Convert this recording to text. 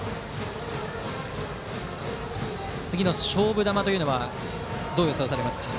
次の勝負球というのはどう予想されますか？